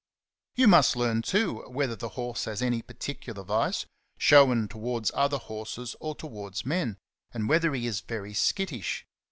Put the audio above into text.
You must learn, too, whether the horse has any particular vice, shown towards other horses or towards men, and whether he is very skittish.